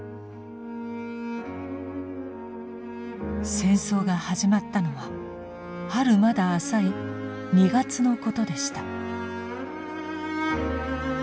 戦争が始まったのは春まだ浅い２月のことでした。